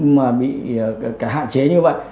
mà bị cả hạn chế như vậy